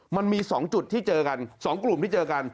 มันมี๒กลุ่มที่เจอกัน